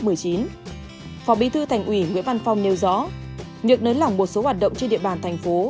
phó bí thư thành ủy nguyễn văn phong nêu rõ việc nới lỏng một số hoạt động trên địa bàn thành phố